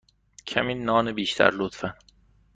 کمی نان بیشتر، لطفا.